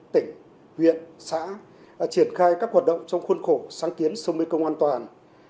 tỉnh huyện xã triển khai các hoạt động trong khuôn khổ sáng kiến sông mê công an toàn